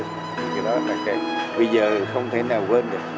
thì cái đó là cái bây giờ không thể nào quên được